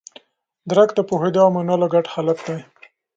درک د پوهېدو او منلو ګډ حالت دی.